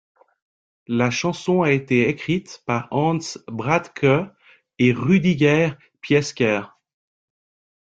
La chanson a été écrite par Hans Bradtke et Rüdiger Piesker.